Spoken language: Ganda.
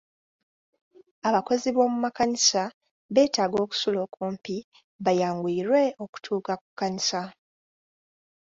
Abakozi b'omu makanisa beetaaga okusula okumpi bayanguyirwe okutuuka ku kkanisa.